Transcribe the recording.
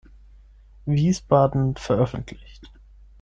Wiesbaden" veröffentlicht.